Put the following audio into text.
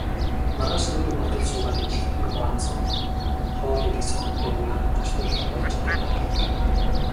Маргааш нь үд өнгөртөл суугаад, ажилчны гуанзанд хоол идэх санаатай яаран очвол Должинтой тааралдлаа.